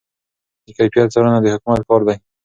د کیفیت څارنه د حکومت کار دی.